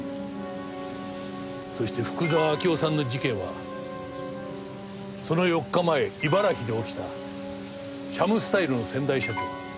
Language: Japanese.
そして福沢明夫さんの事件はその４日前茨城で起きたシャムスタイルの先代社長